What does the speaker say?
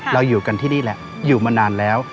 อยู่กันที่นี่แหละอยู่มานานแล้ว